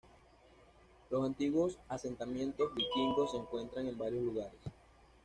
Los antiguos asentamientos vikingos se encuentran en varios lugares.